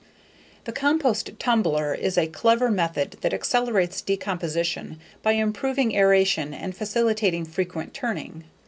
The compost tumbler is a clever method that accelerates decomposition by improving aeration and facilitating frequent turning.